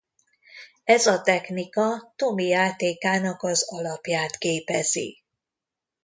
Ez a technika Tommy játékának az alapját képezi.